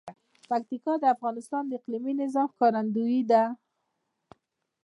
پکتیکا د افغانستان د اقلیمي نظام ښکارندوی ده.